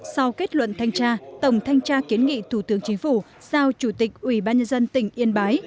sau kết luận thanh tra tổng thanh tra kiến nghị thủ tướng chính phủ giao chủ tịch ủy ban nhân dân tỉnh yên bái